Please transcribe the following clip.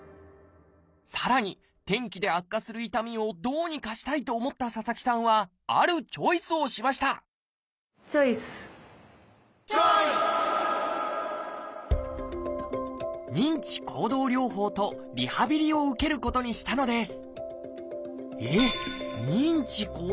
さらに天気で悪化する痛みをどうにかしたいと思った佐々木さんはあるチョイスをしましたチョイス！を受けることにしたのです